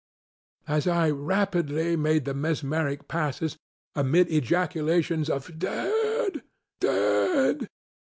As I rapidly made the mesmeric passes, amid ejaculations of ŌĆ£dead! dead!